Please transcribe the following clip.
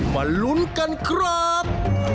มาลุ้นกันครับ